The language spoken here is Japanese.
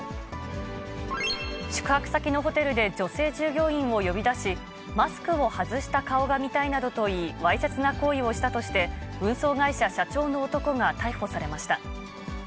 宿泊先のホテルで女性従業員を呼び出し、マスクを外した顔が見たいなどと言い、わいせつな行為をしたとして、運送会社社長の男が逮捕されました。